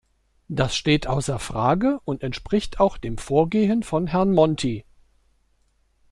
Das steht außer Frage und entspricht auch dem Vorgehen von Herrn Monti.